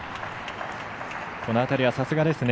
この辺りはさすがですね。